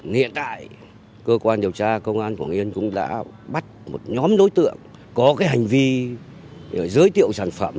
hiện tại cơ quan điều tra công an quảng yên cũng đã bắt một nhóm đối tượng có hành vi giới thiệu sản phẩm